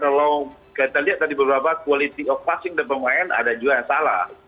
kalau kita lihat tadi beberapa quality of passing the pemain ada juga yang salah